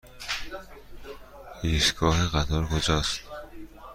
ایستگاه قطار کجاست؟